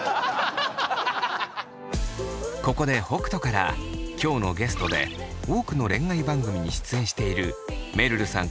ここで北斗から今日のゲストで多くの恋愛番組に出演しているめるるさん